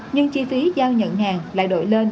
nhưng chi phí giao nhận hàng lại đổi lên